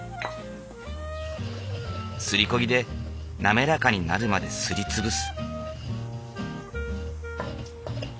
すりこ木で滑らかになるまですり潰す。